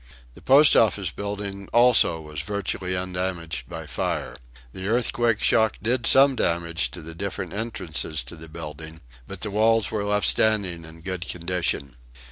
The Post Office building also was virtually undamaged by fire. The earthquake shock did some damage to the different entrances to the building, but the walls were left standing in good condition.